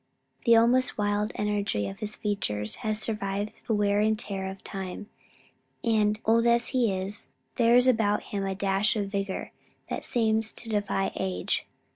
The almost wild energy of his features has survived the wear and tear of time, and, old as he is, there is about him a dash of vigor that seems to defy age.